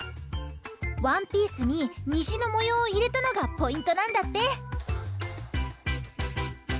ワンピースににじのもようをいれたのがポイントなんだって！